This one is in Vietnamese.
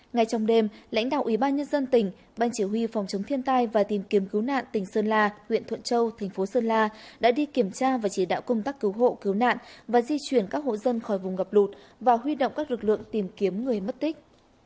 ngay trong đêm lãnh đạo ủy ban nhân dân tỉnh ban chỉ huy phòng chống thiên tai và tìm kiếm cứu nạn tỉnh sơn la huyện thuận châu thành phố sơn la đã đi kiểm tra và chỉ đạo công tác cứu hộ cứu nạn và di chuyển các hộ dân khỏi vùng ngập lụt và huy động các lực lượng tìm kiếm người mất tích